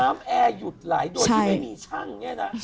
แอร์หยุดไหลโดยที่ไม่มีช่างเนี่ยนะ